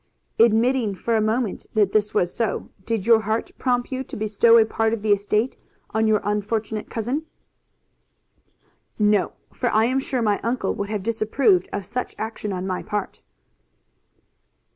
"Admitting for a moment that this was so, did your heart prompt you to bestow a part of the estate on your unfortunate cousin?" "No; for I am sure my uncle would have disapproved of such action on my part."